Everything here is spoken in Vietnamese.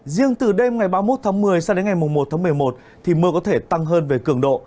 riêng từ đêm ngày ba mươi một tháng một mươi sang đến ngày một tháng một mươi một thì mưa có thể tăng hơn về cường độ